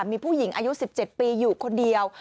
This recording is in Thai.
มีผู้หญิงอายุ๑๗ปีอยู่คนเดียว